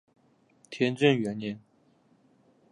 天正元年。